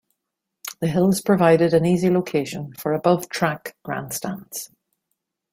The hills provided an easy location for above-track grandstands.